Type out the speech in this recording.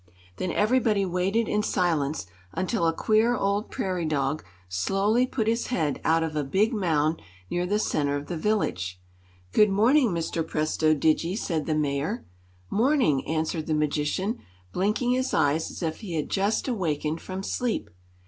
Then everybody waited in silence until a queer old prairie dog slowly put his head out of a big mound near the center of the village. "Good morning, Mr. Presto Digi," said the Mayor. "Morning!" answered the magician, blinking his eyes as if he had just awakened from sleep.